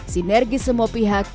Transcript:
sinergi semua pihak